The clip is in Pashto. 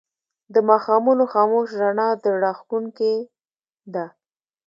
د ماښامونو خاموش رڼا زړه راښکونکې ده